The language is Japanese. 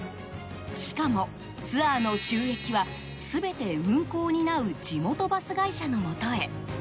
しかも、ツアーの収益は全て運行を担う地元バス会社のもとへ。